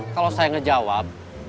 kalau saya ngejawab